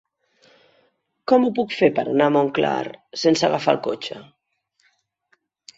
Com ho puc fer per anar a Montclar sense agafar el cotxe?